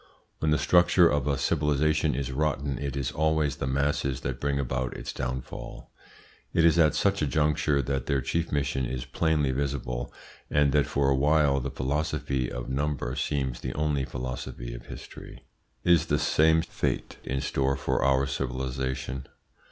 When the structure of a civilisation is rotten, it is always the masses that bring about its downfall. It is at such a juncture that their chief mission is plainly visible, and that for a while the philosophy of number seems the only philosophy of history. Is the same fate in store for our civilisation?